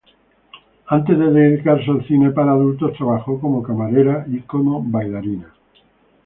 Antes de dedicarse al cine para adultos trabajó como camarera y como bailarina.